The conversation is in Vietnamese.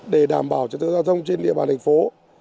để đảm bảo trật tự giao thông trên địa bàn thành phố